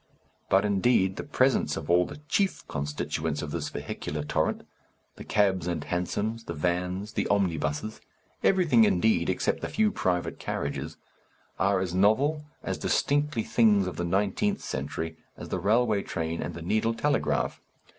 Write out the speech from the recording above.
But indeed the presence of all the chief constituents of this vehicular torrent the cabs and hansoms, the vans, the omnibuses everything, indeed, except the few private carriages are as novel, as distinctively things of the nineteenth century, as the railway train and the needle telegraph.